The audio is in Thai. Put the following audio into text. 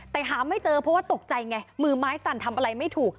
แต่หาไม่เจอเพราะว่าตกใจไงมือไม้สั่นทำอะไรไม่ถูก